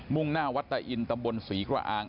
่งหน้าวัดตะอินตำบลศรีกระอาง